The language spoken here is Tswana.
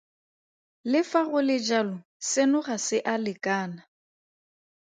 Le fa go le jalo, seno ga se a lekana.